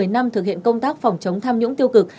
một mươi năm thực hiện công tác phòng chống tham nhũng tiêu cực